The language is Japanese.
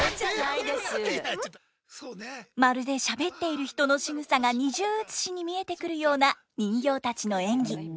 まるでしゃべっている人のしぐさが二重写しに見えてくるような人形たちの演技。